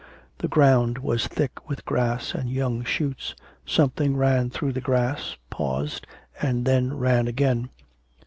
The ground was thick with grass and young shoots.... Something ran through the grass, paused, and then ran again.